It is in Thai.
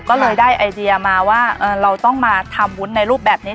ก็เลยได้ไอเดียมาว่าเราต้องมาทำวุ้นในรูปแบบนี้